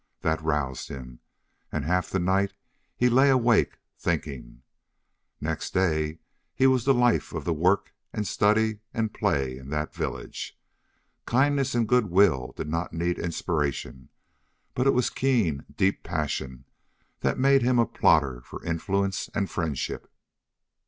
That roused him, and half the night he lay awake, thinking. Next day he was the life of the work and study and play in that village. Kindness and good will did not need inspiration, but it was keen, deep passion that made him a plotter for influence and friendship.